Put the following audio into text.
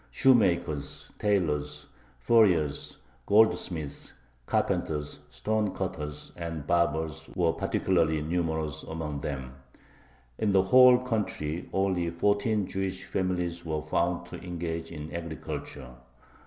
Shoemakers, tailors, furriers, goldsmiths, carpenters, stone cutters, and barbers, were particularly numerous among them. In the whole country only fourteen Jewish families were found to engage in agriculture.